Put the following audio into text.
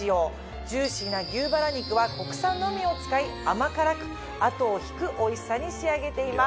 ジューシーな牛バラ肉は国産のみを使い甘辛く後を引くおいしさに仕上げています。